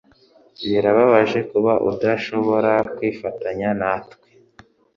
Birababaje kuba udashobora kwifatanya natwe